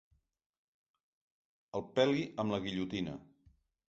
El peli amb la guillotina.